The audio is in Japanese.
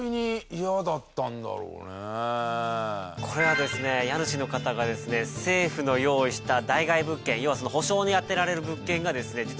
これはですね家主の方がですね政府の用意した代替え物件要は補償に充てられる物件がですね